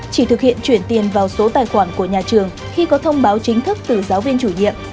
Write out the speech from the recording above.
chỉ thực hiện chuyển tiền vào số tài khoản của nhà trường khi có thông báo chính thức từ giáo viên chủ nhiệm